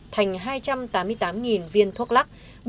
thành hai trăm tám mươi tám viên thuốc lắc